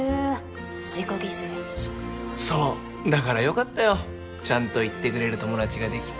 そうだから良かったよちゃんと言ってくれる友達が出来て。